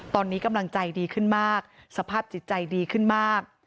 ตอนนี้กำลังใจดีขึ้นมากสภาพจิตใจดีขึ้นมาก